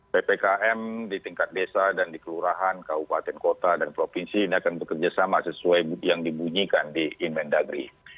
ppkm di tingkat desa dan di kelurahan kabupaten kota dan provinsi ini akan bekerja sama sesuai yang dibunyikan di inmen dagri